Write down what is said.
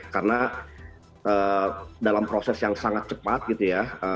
karena dalam proses yang sangat cepat gitu ya